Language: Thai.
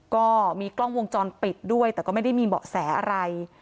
ก็มีกล้องวงจรปิดด้วยแต่ก็ไม่ได้มีเบาะแสอะไร